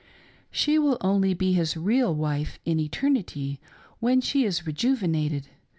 She will only be his real wife in eternity when she is rejuvenated.